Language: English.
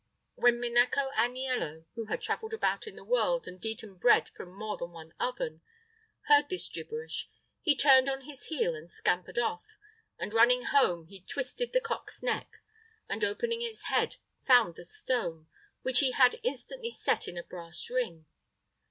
When Minecco Aniello, who had traveled about in the world and eaten bread from more than one oven, heard this gibberish, he turned on his heel and scampered off, and, running home, he twisted the cock's neck, and opening its head, found the stone, which he had instantly set in a brass ring.